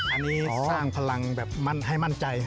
อันนี้สร้างพลังแบบให้มั่นใจ